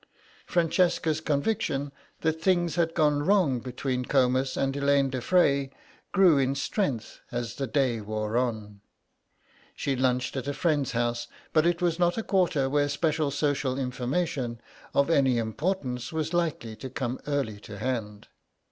Francesca's conviction that things had gone wrong between Comus and Elaine de Frey grew in strength as the day wore on. She lunched at a friend's house, but it was not a quarter where special social information of any importance was likely to come early to hand.